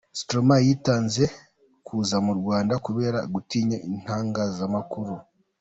Stromae yatinze kuza mu Rwanda kubera gutinya itangazamakuru.